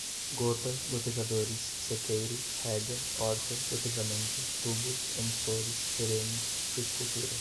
gota, gotejadores, sequeiro, rega, horta, gotejamento, tubos, emissores, perenes, fruticultura